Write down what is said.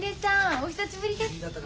お久しぶりです。